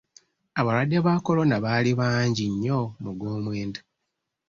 Abalwadde ba kolona baali bangi nnyo mu gw'omwenda.